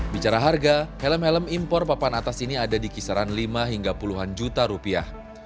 bicara harga helm helm impor papan atas ini ada di kisaran lima hingga puluhan juta rupiah